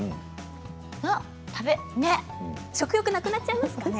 食欲なくなっちゃいますか。